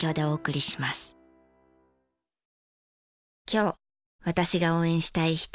今日私が応援したい人。